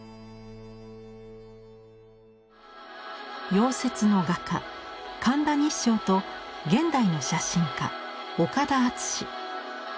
夭折の画家神田日勝と現代の写真家岡田敦。